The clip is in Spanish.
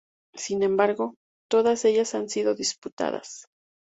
Sin embargo, todas ellas han sido disputadas.